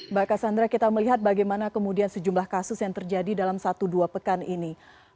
mbak cassandra kita melihat bagaimana kemudian sejumlah kasus yang terjadi dalam satu dua pekan ini